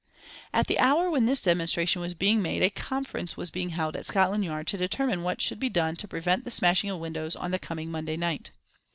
At the hour when this demonstration was being made a conference was being held at Scotland Yard to determine what should be done to prevent the smashing of windows on the coming Monday night.